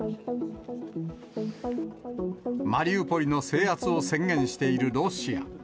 マリウポリの制圧を宣言しているロシア。